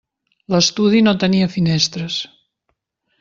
L'estudi no tenia finestres.